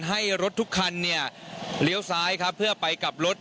ให้รถทุกคันเนี่ยเลี้ยวซ้ายครับเพื่อไปกลับรถ